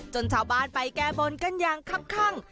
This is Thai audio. ชาวบ้านไปแก้บนกันอย่างคับข้าง